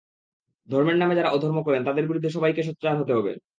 ধর্মের নামে যাঁরা অধর্ম করেন, তাঁদের বিরুদ্ধে সবাইকে সোচ্চার হতে হবে।